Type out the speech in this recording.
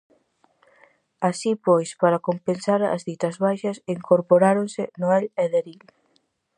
Así pois para compensar as ditas baixas incorporáronse Noel e Deril.